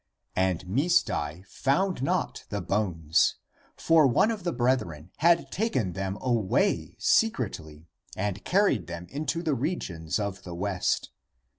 And Misdai found not the bones. For one of the brethren had taken them away secretly and carried them into the regions of the West.